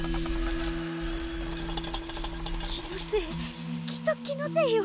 気のせいきっと気のせいよ。